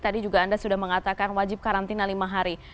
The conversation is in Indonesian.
tadi juga anda sudah mengatakan wajib karantina lima hari